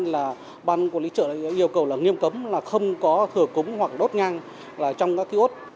là ban quản lý chợ yêu cầu là nghiêm cấm là không có thừa cúng hoặc đốt ngang trong các kiosk